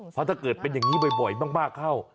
เพราะถ้าเกิดเป็นอย่างนี้บ่อยมากเข้า